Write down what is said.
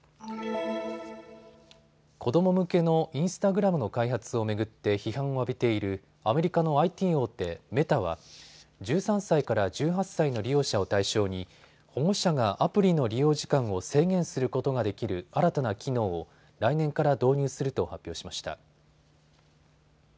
子ども向けのインスタグラムの開発を巡って批判を浴びているアメリカのＩＴ大手、メタは１３歳から１８歳の利用者を対象に保護者がアプリの利用時間を制限することができる新たな機能を来年から導入すると発表しました。